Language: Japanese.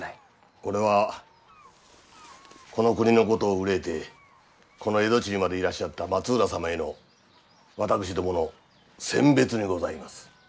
これはこの国のことを憂いてこの蝦夷地にまでいらっしゃった松浦様への私どものせん別にございます。